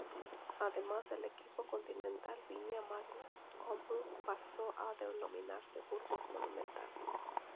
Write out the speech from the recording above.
Además, el equipo Continental Viña Magna-Copru pasó a denominarse Burgos Monumental.